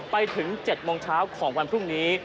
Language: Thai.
ไปถึง๗โมงเช้าของวันพรุ่งนี้